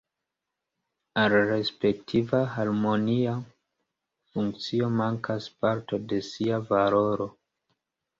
Al la respektiva harmonia funkcio mankas parto de sia valoro.